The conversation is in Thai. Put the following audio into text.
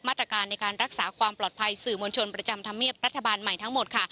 มาตรการในการรักษาความปลอดภัยสื่อมวลชนประจำธรรมเนียบรัฐบาลใหม่ทั้งหมดค่ะ